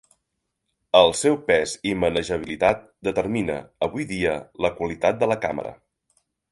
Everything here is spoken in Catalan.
El seu pes i manejabilitat determina, avui dia, la qualitat de la càmera.